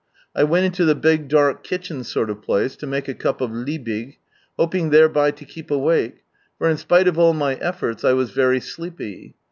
I went into the big dark kitchen sort of place, to make a cup of " Liebig," hoping thereby to keep awake, for in spite of all my efforts I was very sleepy.